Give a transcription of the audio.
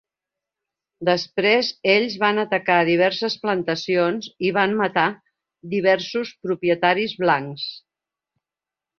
Després ells van atacar diverses plantacions i van matar diversos propietaris blancs.